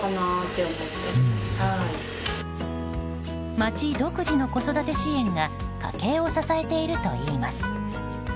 町独自の子育て支援が家計を支えているといいます。